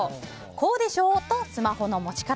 こうでしょ？とスマホの持ち方。